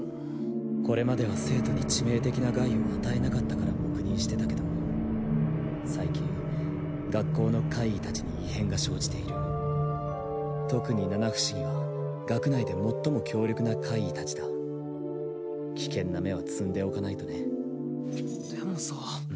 これまでは生徒に致命的な害を与えなかったから黙認してたけど最近学校の怪異達に異変が生じている特に七不思議は学内で最も強力な怪異達だ危険な芽は摘んでおかないとねでもさうん？